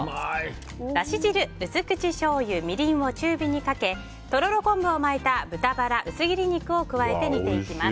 だし汁、薄口しょうゆみりんを中火にかけとろろ昆布を巻いた豚バラ薄切り肉を加えて煮ていきます。